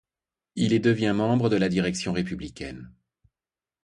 Il y devient membre de la direction républicaine.